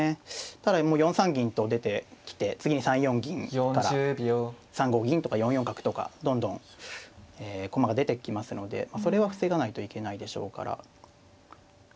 ただもう４三銀と出てきて次に３四銀から３五銀とか４四角とかどんどん駒が出てきますのでそれは防がないといけないでしょうから。